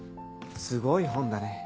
すごい本だね。